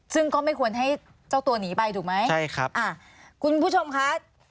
ซึ่งก็ไม่ควรให้เจ้าตัวหนีไปถูกไหมใช่ครับอ่าคุณผู้ชมคะ